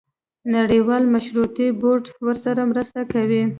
نړیوال مشورتي بورډ ورسره مرسته کوي.